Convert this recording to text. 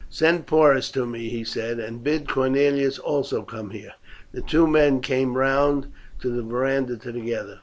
"Send Porus to me," he said, "and bid Cornelius also come here." The two men came round to the verandah together.